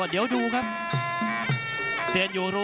นักมวยจอมคำหวังเว่เลยนะครับ